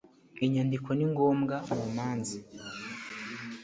inyandiko ningombwa mumanza.